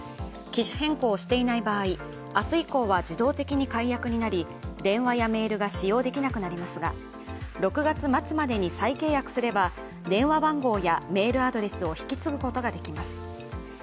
機種変更していない場合、明日以降は自動的に解約になり電話やメールが使用できなくなりますが６月末までに再契約すれば電話番号やメールアドレスを引き継ぐことができます。